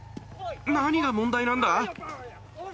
何が問題なんだ。